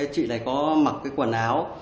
chị này có mặc cái quần áo